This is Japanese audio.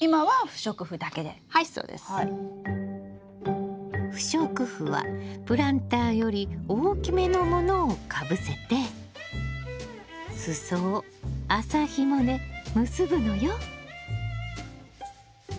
不織布はプランターより大きめのものをかぶせて裾を麻ひもで結ぶのよ。